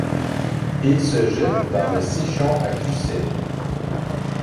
Il se jette dans le Sichon à Cusset.